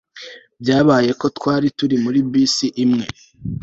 Byabaye ko twari muri bisi imwe